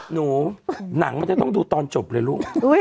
หนูหนังมันจะต้องดูตอนจบเลยลูก